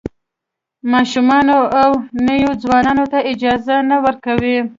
ماشومانو او نویو ځوانانو ته اجازه نه ورکوي.